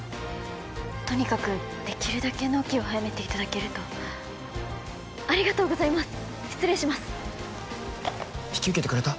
とにかくできるだけ納期を早めていただけるとありがとうございます失礼します引き受けてくれた？